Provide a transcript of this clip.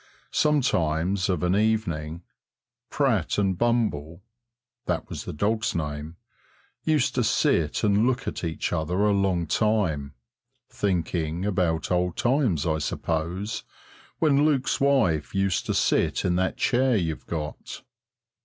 Sometimes, of an evening, Pratt and Bumble that was the dog's name used to sit and look at each other a long time, thinking about old times, I suppose, when Luke's wife used to sit in that chair you've got.